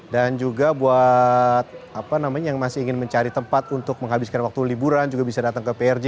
dan juga buat apa namanya yang masih ingin mencari tempat untuk menghabiskan waktu liburan juga bisa datang ke prj